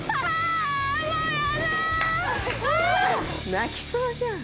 泣きそうじゃん。